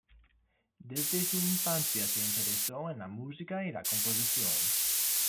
Desde su infancia se interesó en la música y la composición.